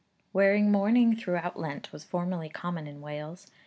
Wearing mourning throughout Lent was formerly common in Wales.